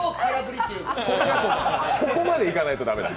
ここまで行かないと駄目です。